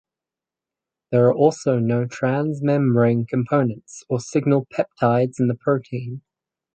There are also no transmembrane components or signal peptides in the protein.